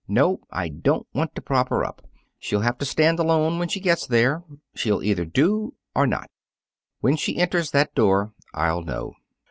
"No; I don't want to prop her up. She'll have to stand alone when she gets there. She'll either do, or not. When she enters that door, I'll know."